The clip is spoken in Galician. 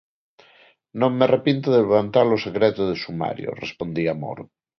"Non me arrepinto de levantar o segredo de sumario", respondía Moro.